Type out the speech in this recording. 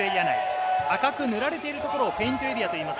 赤く塗られているところをペイントエリアといいます。